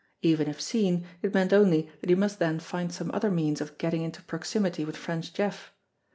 Even if seen, it meant only that he must then find some other means of getting into proximity with French Jeff.